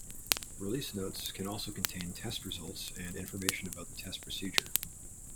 Release notes can also contain test results and information about the test procedure.